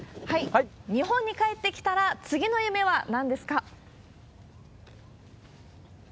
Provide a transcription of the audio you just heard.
日本に帰ってきたら、次の夢はなんですか？